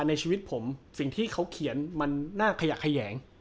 ในชีวิตผมสิ่งที่เขาเขียนมันน่าขยะแขยง